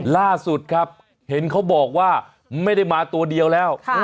ล่าสุดครับเห็นเขาบอกว่าไม่ได้มาตัวเดียวแล้ว